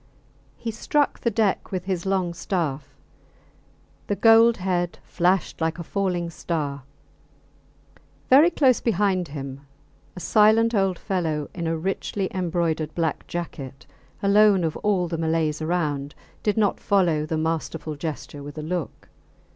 He struck the deck with his long staff; the gold head flashed like a falling star; very close behind him a silent old fellow in a richly embroidered black jacket alone of all the Malays around did not follow the masterful gesture with a look.